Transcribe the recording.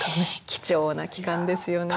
貴重な期間ですよね。